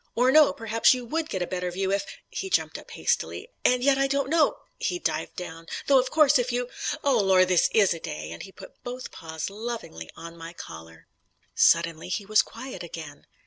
"Or no, perhaps you would get a better view if " he jumped up hastily, "and yet I don't know " he dived down, "though of course, if you Oh lor'! this is a day," and he put both paws lovingly on my collar. Suddenly he was quiet again.